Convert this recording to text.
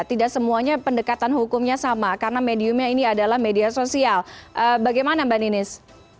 tidak semuanya pendekatan hukumnya sama karena mediumnya ini adalah media sosial bagaimana mbak ninis